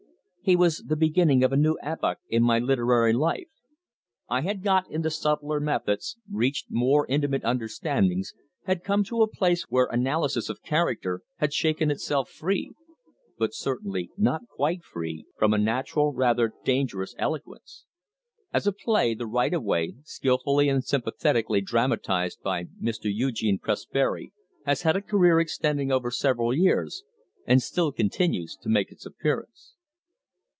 He was the beginning of a new epoch in my literary life. I had got into subtler methods, reached more intimate understandings, had come to a place where analysis of character had shaken itself free but certainly not quite free from a natural yet rather dangerous eloquence. As a play The Right of Way, skilfully and sympathetically dramatised by Mr. Eugene Presbery, has had a career extending over several years, and still continues to make its appearance.